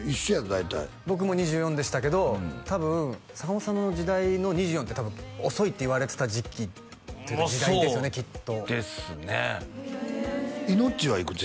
大体僕も２４でしたけど多分坂本さんの時代の２４って多分遅いって言われてた時期っていうか時代まあそうですねイノッチはいくつ？